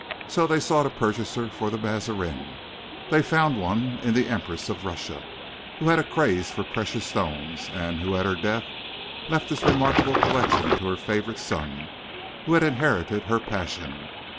So they sought a purchaser for the Mazarin; they found one in the empress of Russia, who had a craze for precious stones, and who, at her death, left this remarkable collection to her favourite son, who had inherited her passion.